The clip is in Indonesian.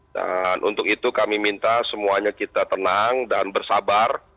dan untuk itu kami minta semuanya kita tenang dan bersabar